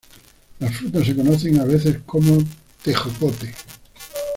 Las frutas se conocen a veces como "tejocote".